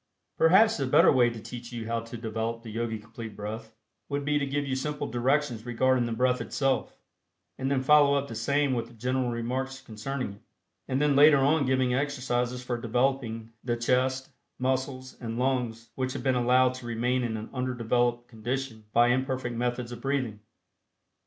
Perhaps the better way to teach you how to develop the Yogi Complete Breath, would be to give you simple directions regarding the breath itself, and then follow up the same with general remarks concerning it, and then later on giving exercises for developing the chest, muscles and lungs which have been allowed to remain in an undeveloped condition by imperfect methods of breathing.